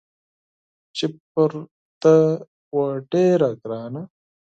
چې پر ده وه ډېره ګرانه